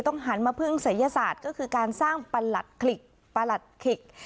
ต้องหันมาพึ่งศัยศาสตร์ก็คือการสร้างปลัดขิกปลัดขิก